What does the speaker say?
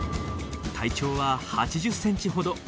体長は８０センチほど。